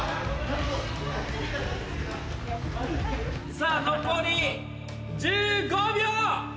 さあ残り１５秒。